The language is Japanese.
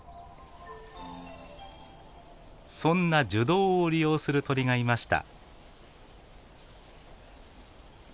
そんな樹洞を利用する鳥がいました。